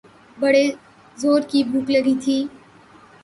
بڑے زورکی بھوک لگی تھی۔